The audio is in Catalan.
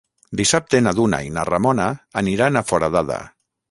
Dissabte na Duna i na Ramona aniran a Foradada.